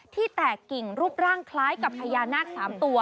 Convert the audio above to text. ที่แตกกิ่งรูปร่างคล้ายกับพญานาค๓ตัว